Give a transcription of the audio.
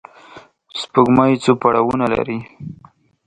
سپوږمۍ څو پړاوونه لري